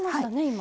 今。